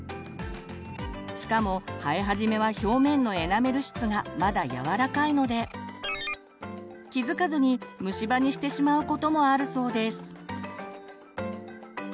しかも生え始めは表面のエナメル質がまだやわらかいので気付かずに虫歯にしてしまうこともあるそうです。